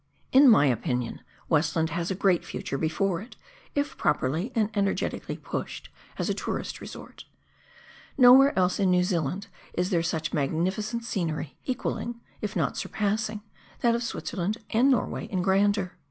In my opinion, Westland has a great future before it, if properly and energetically pushed, as a tourist resort. Nowhere else in New Zealand is there such magnificent scenery, equalling, if not surpassing, that of Switzerland and Norway in grandeur.